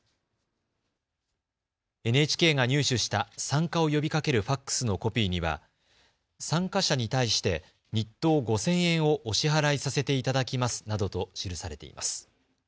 ＮＨＫが入手した参加を呼びかけるファックスのコピーには参加者に対して日当５０００円をお支払いさせていただきますなどと記されています。